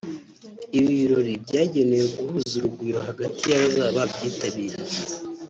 Ibi birori byagenewe guhuza urugwiro hagati y’abazaba babyitabiriye